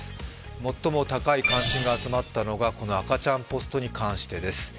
最も高い関心が集まったのがこの赤ちゃんポストに関してです。